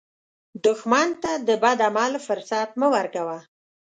دښمن ته د بد عمل فرصت مه ورکوه